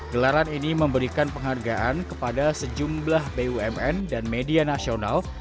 gelaran ini memberikan penghargaan kepada sejumlah bumn dan media nasional